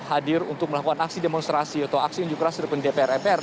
hadir untuk melakukan aksi demonstrasi atau aksi yang juga seringkan dpr epr